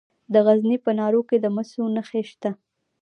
د غزني په ناور کې د مسو نښې شته.